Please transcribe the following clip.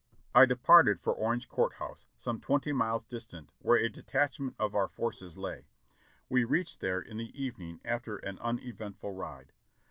I departed for Orange Court House, some twenty miles dis tant where a detachment of our forces lay. We reached there in the evening after an uneventful ride.